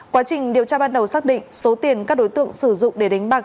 quá trình điều tra ban đầu xác định số tiền các đối tượng sử dụng để đánh bạc